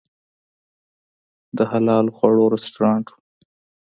د حلال خواړو رستورانت و.